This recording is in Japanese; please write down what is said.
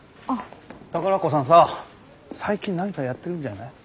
宝子さんさ最近何かやってるんじゃない？